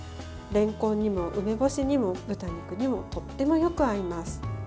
れんこんにも梅干しにも豚肉にもとてもよく合います。